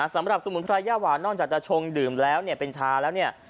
สำหรับสมุนไพรย่าหวานนอกจากจะชงดื่มแล้วเนี่ยเป็นชาแล้วเนี่ย